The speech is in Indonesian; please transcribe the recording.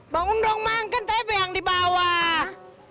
bangun dong man kan tebe yang di bawah